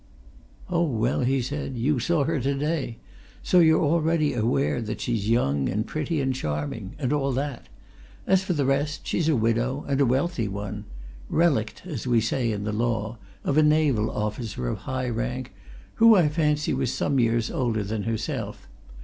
"Oh, well," he said, "you saw her to day. So you're already aware that she's young and pretty and charming and all that. As for the rest, she's a widow, and a wealthy one. Relict, as we say in the law, of a naval officer of high rank, who, I fancy, was some years older than herself.